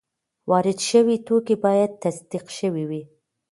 وارد شوي توکي باید تصدیق شوي وي.